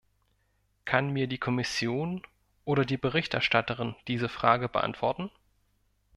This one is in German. Kann mir die Kommission oder die Berichterstatterin diese Frage beantworten?